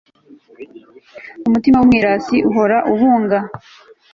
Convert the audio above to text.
umutima w'umwirasi uhora ubunga